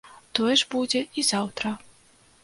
Тое ж будзе і заўтра.